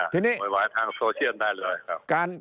โบยบายทางโซเชียลได้เลยครับ